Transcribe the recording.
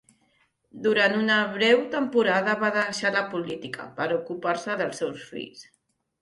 Durant una breu temporada, va deixar la política per ocupar-se dels seus fills.